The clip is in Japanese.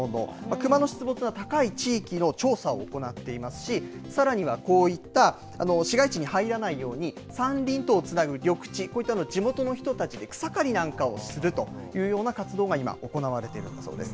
クマの出没が高い地域の調査を行っていますし、さらにはこういった市街地に入らないように山林等をつなぐ緑地、こういった地元の人たちで草刈りなんかをするというような活動が今、行われているんだそうです。